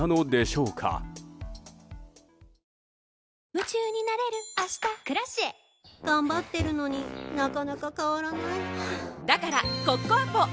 夢中になれる明日「Ｋｒａｃｉｅ」頑張ってるのになかなか変わらないはぁだからコッコアポ！